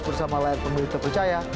bersama layar pemilih terpercaya